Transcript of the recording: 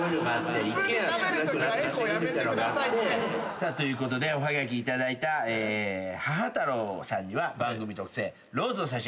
さあということでおはがき頂いたハハタロウさんには番組特製ローズを差し上げます。